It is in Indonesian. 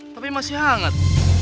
tapi masih hangat